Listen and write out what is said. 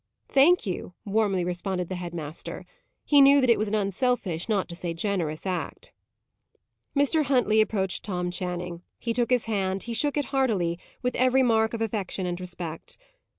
"Thank you," warmly responded the head master. He knew that it was an unselfish, not to say generous, act. Mr. Huntley approached Tom Channing. He took his hand; he shook it heartily, with every mark of affection and respect.